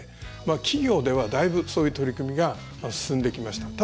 企業では、だいぶそういう取り組みが進んできました。